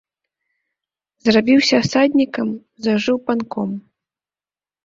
Зрабіўся асаднікам, зажыў панком.